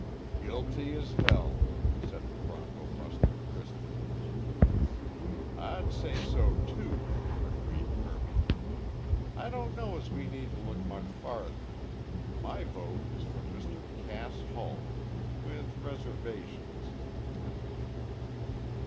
"Guilty as hell," said the bronco buster crisply. "I'd say so too," agreed Kirby. "I don't know as we need to look much farther. My vote is for Mr. Cass Hull with reservations."